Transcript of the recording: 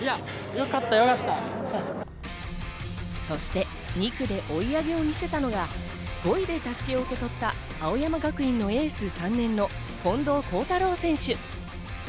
そして２区で追い上げを見せたのが、５位で襷を受け取った青山学院のエース、３年の近藤幸太郎選手。